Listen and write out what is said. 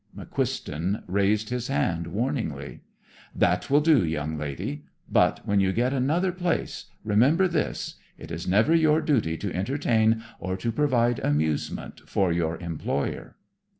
McQuiston raised his hand warningly. "That will do, young lady. But when you get another place, remember this: it is never your duty to entertain or to provide amusement for your employer."